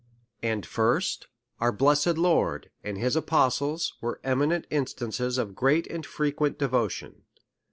And, First, Our blessed Lord, and his apostles, were eminent instances of great and frequent devotion.